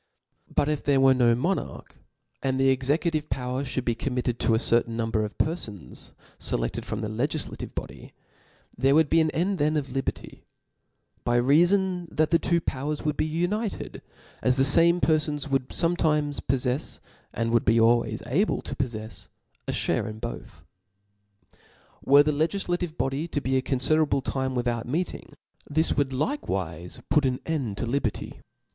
But if there were no monarch, and the execu<^ tive power (hould be committed to a certain num* bcr of perfons fclefted from the legiflative body, there would be an end then of liberty ; by reafon the two powers would be united, as the fame per ibns ^ would fometimes poiTeis, and would be al« ways able to poflefs, a fliare in both. Were the legiflative body to be a confiderable time without meeting, this would likewiie put aa end to liberty.